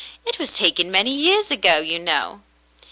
It was taken many years ago, you know."